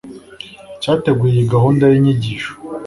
cyateguye iyi gahunda y'inyigisho